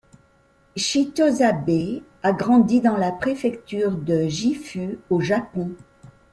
Chitose Abe a grandi dans la préfecture de Gifu au Japon.